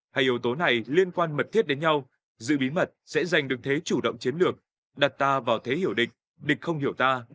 hai yếu tố này liên quan mật thiết đến nhau giữ bí mật sẽ giành được thế chủ động chiến lược đặt ta vào thế hiểu địch địch không hiểu ta